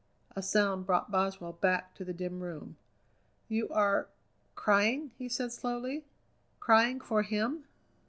A sound brought Boswell back to the dim room. "You are crying?" he said slowly; "crying for him?"